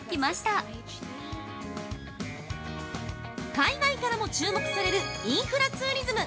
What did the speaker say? ◆海外からも注目されるインフラツーリズム。